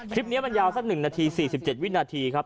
คลิปนี้มันยาวสัก๑นาที๔๗วินาทีครับ